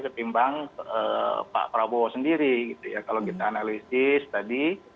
ketimbang pak prabowo sendiri gitu ya kalau kita analisis tadi